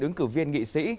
ứng cử viên nghị sĩ